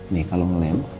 nih kalau ngelem